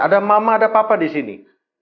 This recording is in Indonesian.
ada mama ada papa di sini